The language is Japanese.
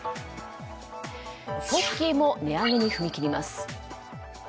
ポッキーも値上げに踏み切ります。